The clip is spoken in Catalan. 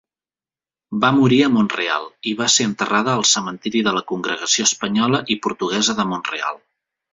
Va morir a Mont-real i va ser enterrada al cementeri de la Congregació Espanyola i Portuguesa de Mont-real.